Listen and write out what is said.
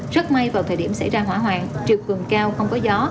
rất may vào thời điểm xảy ra hỏa hoạn trực cường cao không có gió